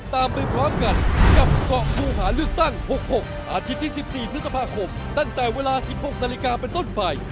ตั้งแต่เวลา๑๖นาฬิกาเป็นต้นไป